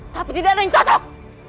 tapi tidak ada yang cocok